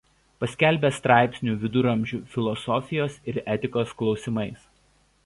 Paskelbė straipsnių viduramžių filosofijos ir etikos klausimais.